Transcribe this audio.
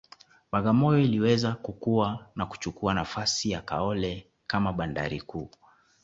Bagamoyo iliweza kukua na kuchukua nafasi ya Kaole kama bandari kuu